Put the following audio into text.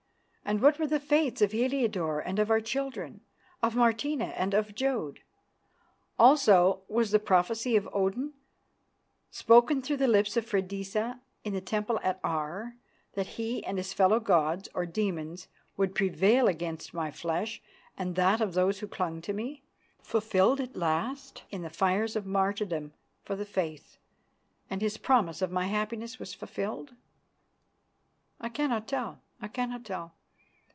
And what were the fates of Heliodore and of our children; of Martina and of Jodd? Also, was the prophecy of Odin, spoken through the lips of Freydisa in the temple at Aar, that he and his fellow gods, or demons, would prevail against my flesh and that of those who clung to me, fulfilled at last in the fires of martyrdom for the Faith, as his promise of my happiness was fulfilled? I cannot tell. I cannot tell.